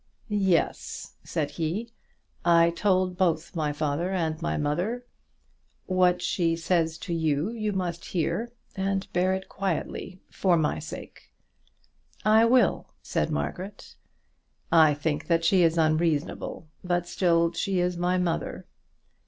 "Yes," said he, "I told both my father and my mother. What she says to you, you must hear, and bear it quietly for my sake." "I will," said Margaret. "I think that she is unreasonable, but still she is my mother."